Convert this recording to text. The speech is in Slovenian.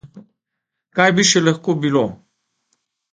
Kaj bi še lahko bilo?